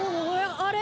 あれ？